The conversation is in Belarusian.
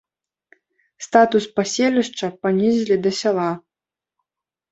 Статус паселішча панізілі да сяла.